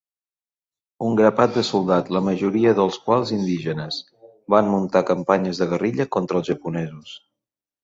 Un grapat de soldat, la majoria dels quals indígenes, van muntar campanyes de guerrilla contra els japonesos.